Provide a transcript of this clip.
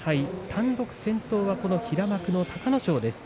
単独先頭は平幕の隆の勝です。